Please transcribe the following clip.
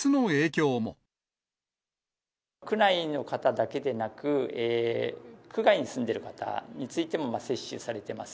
区内の方だけでなく、区外に住んでいる方についても、接種されてます。